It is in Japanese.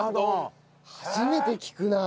初めて聞くな。